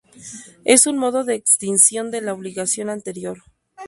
Es un modo de extinción de la obligación anterior.